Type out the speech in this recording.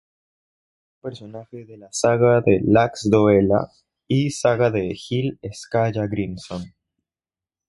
Es un personaje de la "Saga de Laxdœla", y "saga de Egil Skallagrímson".